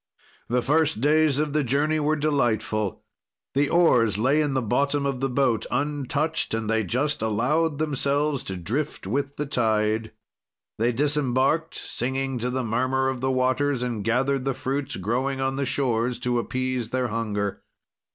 "The first days of the journey were delightful. The oars lay in the bottom of the boat untouched, and they just allowed themselves to drift with the tide. They disembarked, singing to the murmur of the waters, and gathered the fruits growing on the shores, to appease their hunger.